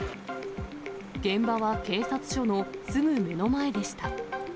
現場は警察署のすぐ目の前でした。